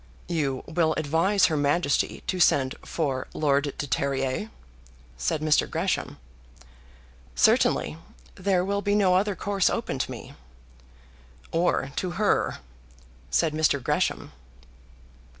"You will advise her Majesty to send for Lord de Terrier," said Mr. Gresham. "Certainly; there will be no other course open to me." "Or to her," said Mr. Gresham.